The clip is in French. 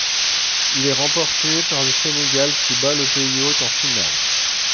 Il est remporté par le Sénégal qui bat le pays hôte en finale.